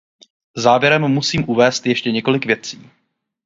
Závěrem musím uvést ještě několik věcí.